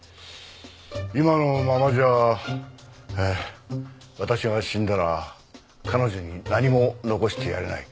今のままじゃ私が死んだら彼女に何も残してやれない。